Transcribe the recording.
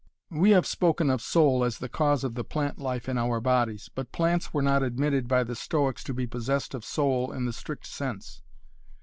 We have spoken of soul as the cause of the plant life in our bodies, but plants were not admitted by the Stoics to be possessed of soul in the strict sense.